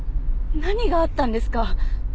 何があったんですか？